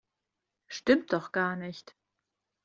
Stimmt doch gar nicht!